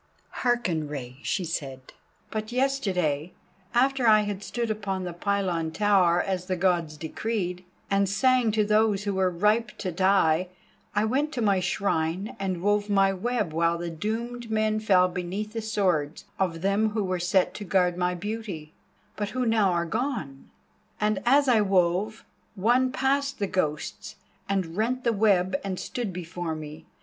"Hearken, Rei," she said; "but yesterday, after I had stood upon the pylon tower as the Gods decreed, and sang to those who were ripe to die, I went to my shrine and wove my web while the doomed men fell beneath the swords of them who were set to guard my beauty, but who now are gone. And as I wove, one passed the Ghosts and rent the web and stood before me.